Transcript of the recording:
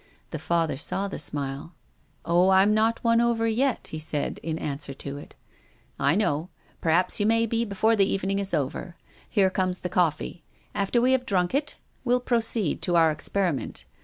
The Father saw the smile. " Oh, I'm not won over yet," he said in answer to it. " I know. Perhaps you may be before the evening is over. Here comes the coffee. After we have drunk it we'll proceed to our experiment.